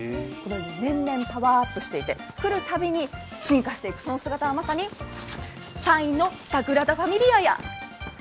年々パワーアップしていて、来るたびに進化していくその姿はまさに山陰のサグラダ・ファミリアや。